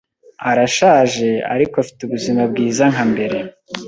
Arashaje, ariko afite ubuzima bwiza nka mbere.